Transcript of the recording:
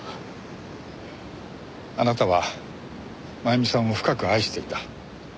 あなたは真由美さんを深く愛していた。